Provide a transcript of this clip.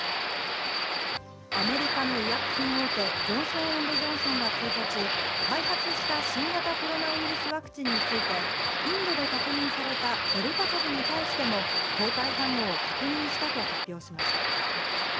アメリカの医薬品大手、ジョンソン・エンド・ジョンソンは１日、開発した新型コロナウイルスワクチンについてインドで確認されたデルタ株に対しても抗体反応を確認したと発表しました。